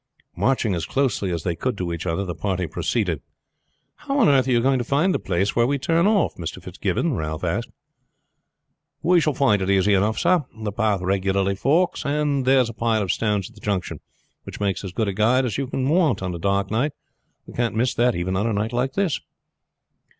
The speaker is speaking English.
Marching as closely as they could to each other the party proceeded. "How on earth are you going to find the place where we turn off, Mr. Fitzgibbon?" Ralph asked. "We shall find it easy enough sir. The path regularly forks, and there is a pile of stones at the junction, which makes as good a guide as you can want on a dark night. We can't miss that even on a night like this."